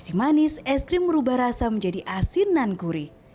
di si manis es krim merubah rasa menjadi asin dan kuri